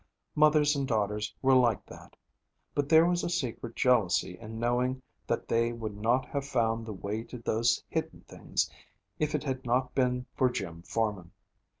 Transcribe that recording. Mothers and daughters were like that. But there was a secret jealousy in knowing that they would not have found the way to those hidden things if it had not been for Jim Forman.